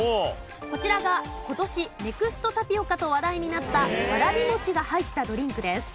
こちらが今年ネクストタピオカと話題になったわらび餅が入ったドリンクです。